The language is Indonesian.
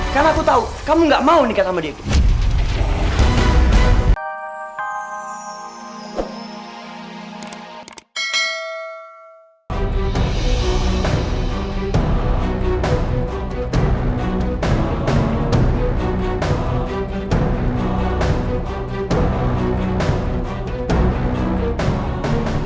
karena aku tau kamu gak mau nikah sama dego